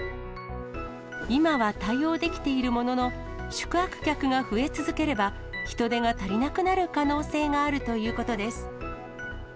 今は対応できているものの、宿泊客が増え続ければ、人手が足りなくなる可能性があるということです。